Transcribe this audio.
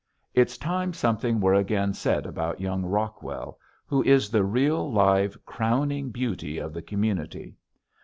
It's time something were again said about young Rockwell who is the real, live, crowning beauty of the community.